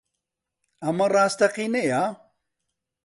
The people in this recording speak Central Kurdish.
ئەمە ڕاستەقینەیە؟